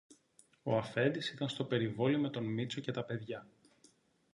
Ο αφέντης ήταν στο περιβόλι με τον Μήτσο και τα παιδιά